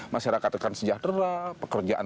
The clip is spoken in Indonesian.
masyarakat akan sejahtera pekerjaan